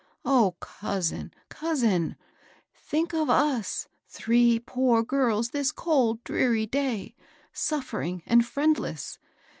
O oousin ! coos , in I think of us three poor girls this cold, dreary* day, suffering and friendless.